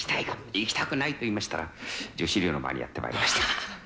行きたくないと言いましたら、女子寮の前にやってまいりました。